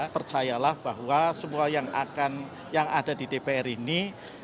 percayalah bahwa semua yang ada di dpr ini